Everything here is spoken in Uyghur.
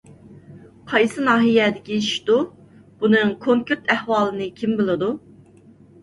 قايسى ناھىيەدىكى ئىشتۇ؟ بۇنىڭ كونكرېت ئەھۋالىنى كىم بىلىدۇ؟